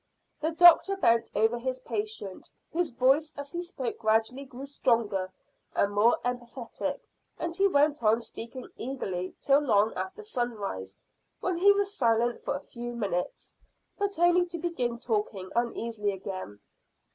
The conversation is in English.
The doctor bent over his patient, whose voice as he spoke gradually grew stronger and more emphatic, and he went on speaking eagerly till long after sunrise, when he was silent for a few minutes, but only to begin talking uneasily again.